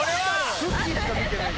クッキーしか見てない。